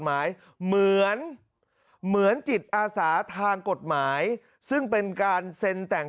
หมายเหมือนเหมือนจิตอาสาทางกฎหมายซึ่งเป็นการเซ็นแต่ง